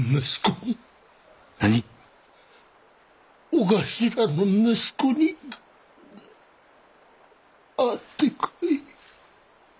お頭の息子に会ってくれ。